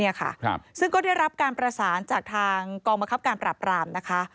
เนี่ยค่ะครับซึ่งก็ได้รับการประสานจากทางกองบังคับการปราบรามนะคะ